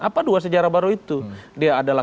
apa dua sejarah baru itu dia adalah